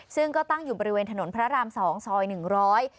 ซึ่งก็ตั้งอยู่บริเวณถนนพระราม๒ซอย๑๐๐